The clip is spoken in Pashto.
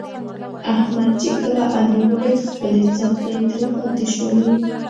احمد چې کله علي ولید خپلې څپلۍ ترې پاتې شولې.